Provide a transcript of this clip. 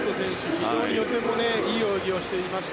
非常に予選もいい泳ぎをしていました。